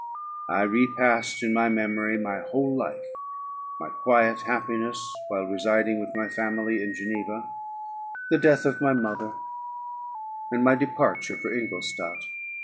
I repassed, in my memory, my whole life; my quiet happiness while residing with my family in Geneva, the death of my mother, and my departure for Ingolstadt.